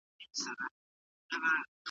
که انصاف وي، نو خلکو کې کینه کمېږي.